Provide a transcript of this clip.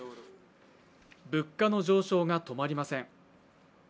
物価の上昇が止まりません。